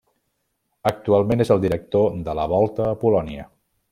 Actualment és el director de la Volta a Polònia.